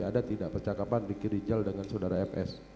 ada tidak percakapan riki rijal dengan saudara fs